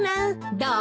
どう？